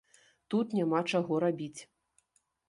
Тут няма чаго рабіць!